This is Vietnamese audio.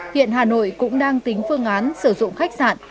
hiện hà nội cũng đang tính phương án sử dụng khách sạn